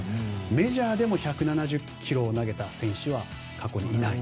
メジャーでも１７０キロを投げた選手は過去にいないと。